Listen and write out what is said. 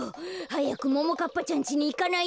はやくももかっぱちゃんちにいかないと。